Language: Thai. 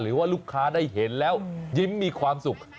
หรือว่าลูกค้าได้เห็นแล้วยิ้มมีความสุข